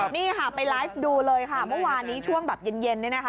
นี่ค่ะไปไลฟ์ดูเลยค่ะเมื่อวานนี้ช่วงแบบเย็นเนี่ยนะคะ